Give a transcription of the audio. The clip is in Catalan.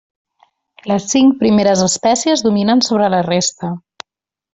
Les cinc primeres espècies dominen sobre la resta.